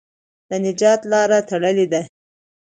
د نجات لاره تړلې ده.